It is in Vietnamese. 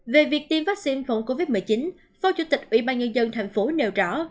về việc tiêm vaccine phòng covid một mươi chín phó chủ tịch ubnd thành phố nêu rõ